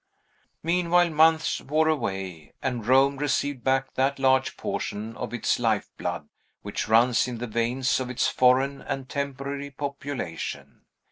Meanwhile, months wore away, and Rome received back that large portion of its life blood which runs in the veins of its foreign and temporary population.